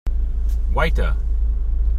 Guaita!